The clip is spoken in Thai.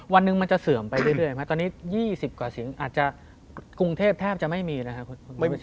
วันหนึ่งมันจะเสื่อมไปเรื่อยไหมตอนนี้๒๐กว่าเสียงอาจจะกรุงเทพแทบจะไม่มีนะครับ